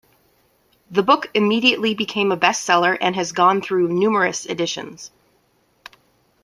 The book immediately became a best seller and has gone through numerous editions.